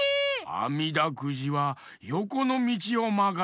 あみだくじはよこのみちをまがるべし！